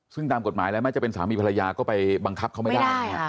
ซึ่งตามกฎหมายแล้วแม้จะเป็นสามีภรรยาก็ไปบังคับเขาไม่ได้